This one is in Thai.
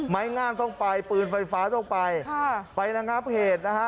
ไม้ง่าต้องไปปืนไฟฟ้าต้องไปไปนะครับเหตุนะฮะ